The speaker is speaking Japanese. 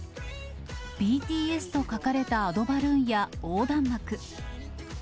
ＢＴＳと書かれたアドバルーンや横断幕。